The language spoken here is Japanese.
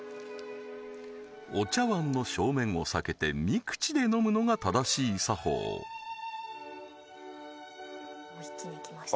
お茶わんの正面を避けて３口で飲むのが正しい作法おっ一気にいきました